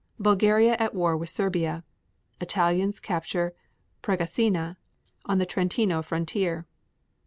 Bulgaria at war with Serbia. 14. Italians capture Pregasina, on the Trentino frontier.